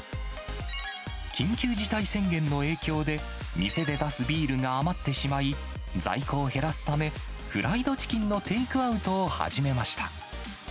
緊急事態宣言の影響で、店で出すビールが余ってしまい、在庫を減らすため、フライドチキンのテイクアウトを始めました。